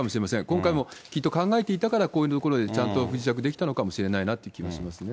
今回もきっと考えていたからこういう所でちゃんと不時着できたのかもしれないという気はしますね。